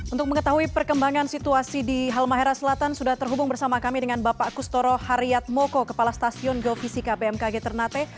untuk mengetahui perkembangan situasi di halmahera selatan sudah terhubung bersama kami dengan bapak kustoro haryat moko kepala stasiun geofisika bmkg ternate